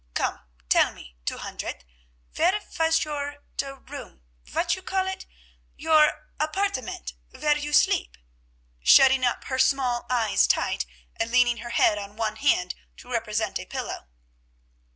Come, tell me, Two Hundert, vere vas your der Raum, vat you call it? Your apart_a_ment, vere you seep?" shutting up her small eyes tight, and leaning her head on one hand, to represent a pillow.